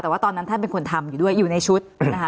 แต่ว่าตอนนั้นท่านเป็นคนทำอยู่ด้วยอยู่ในชุดนะคะ